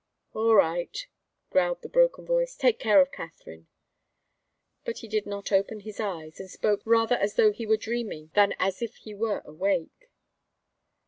"All right," growled the broken voice. "Take care of Katharine." But he did not open his eyes, and spoke rather as though he were dreaming, than as if he were awake.